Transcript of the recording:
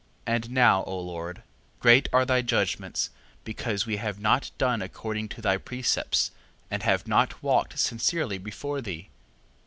3:5. And now, O Lord, great are thy judgments, because we have not done according to thy precepts, and have not walked sincerely before thee.